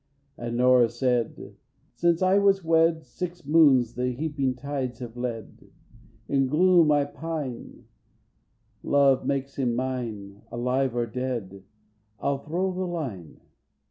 And Nora said: "Since I was wed Six moons the heaping tides have led. "In gloom I pine (love makes him mine, Alive or dead) I'll throw the line!"